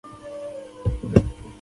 د جلغوزیو پروسس په داخل کې کیږي؟